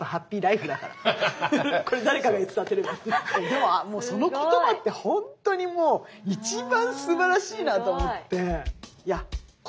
僕はけっこうその言葉って本当にもう一番すばらしいなと思って。